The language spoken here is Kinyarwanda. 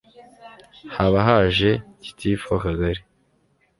haba haje gitifu w'akagari